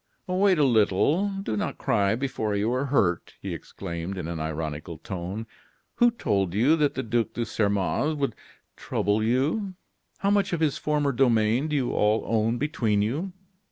"Wait a little. Do not cry before you are hurt," he exclaimed, in an ironical tone. "Who told you that the Duc de Sairmeuse would trouble you? How much of his former domain do you all own between you?